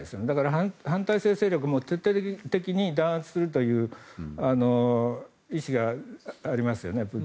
だから反体制勢力も徹底的に弾圧するという意思がありますよね。